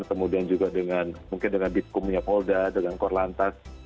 kemudian juga dengan mungkin dengan bitkumnya polda dengan korlantas